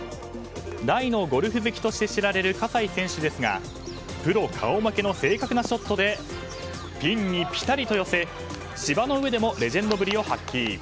大のゴルフ好きとして知られる葛西選手ですがプロ顔負けの正確なショットでピンにぴたりと寄せ芝の上でもレジェンドぶりを発揮。